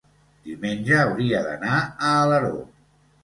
Diumenge hauria d'anar a Alaró.